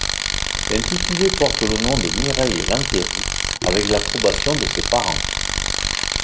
L'intitulé porte le nom de Mireille Lantéri, avec l'approbation de ses parents.